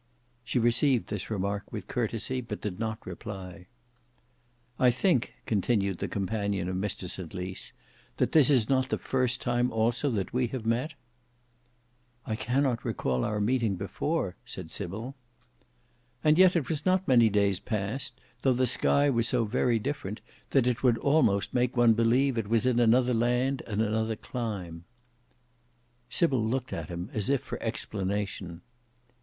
She received this remark with courtesy but did not reply. "I think," continued the companion of Mr St Lys, "that this is not the first time also that we have met?" "I cannot recall our meeting before," said Sybil. "And yet it was not many days past; though the sky was so very different, that it would almost make one believe it was in another land and another clime." Sybil looked at him as if for explanation.